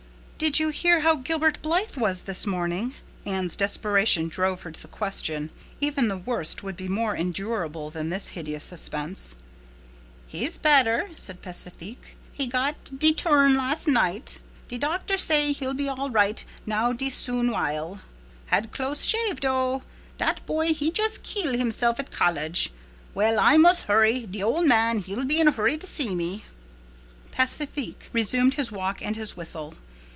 "Did you hear how Gilbert Blythe was this morning?" Anne's desperation drove her to the question. Even the worst would be more endurable than this hideous suspense. "He's better," said Pacifique. "He got de turn las' night. De doctor say he'll be all right now dis soon while. Had close shave, dough! Dat boy, he jus' keel himself at college. Well, I mus' hurry. De old man, he'll be in hurry to see me." Pacifique resumed his walk and his whistle.